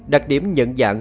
đặc điểm nhận dạng